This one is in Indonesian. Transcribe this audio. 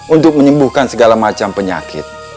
untuk menyembuhkan segala macam penyakit